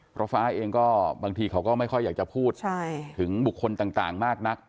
เพราะฟ้าเองก็บางทีเขาก็ไม่ค่อยอยากจะพูดถึงบุคคลต่างมากนัก